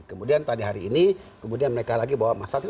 kemudian tadi hari ini kemudian mereka lagi bawa masalah